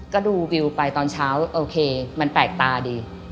ก็ดูวิวไปตอนเช้าโอเคมันแปลกตาดี